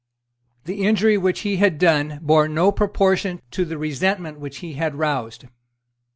The injury which he had done bore no proportion to the resentment which he had roused.